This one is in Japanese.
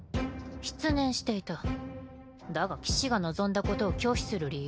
失念していただが騎士が望んだことを拒否する理由